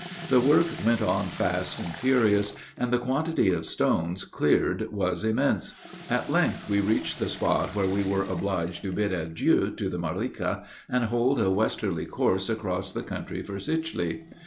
The work went on fast and furious, and the quantity of stones cleared was immense. At length we reached the spot where we were obliged to bid adieu to the Mariqua, and hold a westerly course across the country for Sicheley.